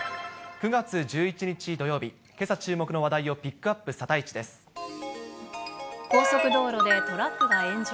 ９月１１日土曜日、けさ注目の話題をピックアップ、高速道路でトラックが炎上。